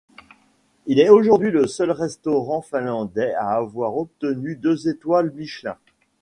Il est aujourd'hui le seul restaurant finlandais à avoir obtenu deux étoiles Michelin.